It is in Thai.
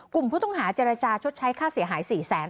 กลุ่มผู้ต้องหาเจรจาชดใช้ค่าเสียหาย๔แสน